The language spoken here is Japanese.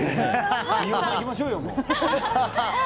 飯尾さん、いきましょうよ。